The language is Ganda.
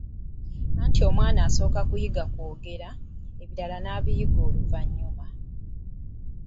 Anti omwana asoka kuyiga kwogera, ebirala abiyiga luvannyuma.